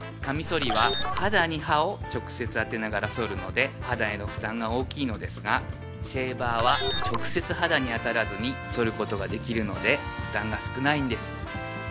かみそりは肌に刃を直接当てながらそるので肌への負担が大きいのですがシェーバーは直接肌に当たらずにそることができるので負担が少ないんです